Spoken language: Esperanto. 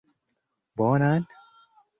Bonan?